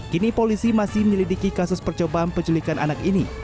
kini polisi masih menyelidiki kasus percobaan penculikan anak ini